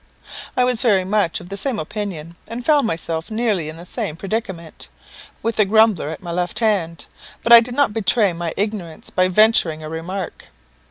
I was very much of the same opinion, and found myself nearly in the same predicament with the grumbler at my left hand; but I did not betray my ignorance by venturing a remark.